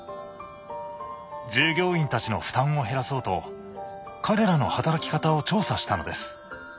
従業員たちの負担を減らそうと彼らの働き方を調査したのです。